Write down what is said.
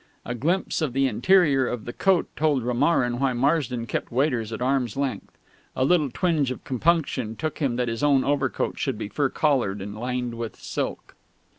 A glimpse of the interior of the coat told Romarin why Marsden kept waiters at arm's length. A little twinge of compunction took him that his own overcoat should be fur collared and lined with silk.